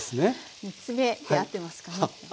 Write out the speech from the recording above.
３つ目で合ってますかね？